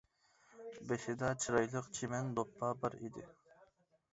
بېشىدا چىرايلىق چىمەن دوپپا بار ئىدى.